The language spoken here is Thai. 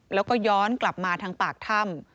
แล้วก็ย้อนกลับมาทางปากถ้ำ